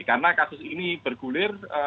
karena kasus ini bergulir